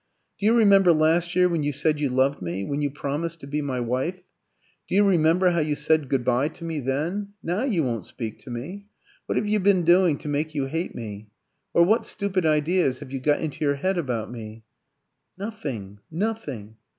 "Do you remember last year when you said you loved me? when you promised to be my wife? Do you remember how you said good bye to me then? Now you won't speak to me. What have you been doing to make you hate me? Or what stupid idea have you got into your head about me?" "Nothing nothing.